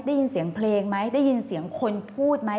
ได้ยินเสียงเพลงไหมได้ยินเสียงคนพูดไหม